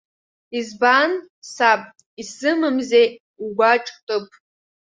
Избан, саб, изсымамзеи угәаҿ ҭыԥ?